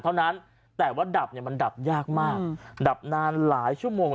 เท่านั้นแต่ว่าดับเนี่ยมันดับยากมากดับนานหลายชั่วโมง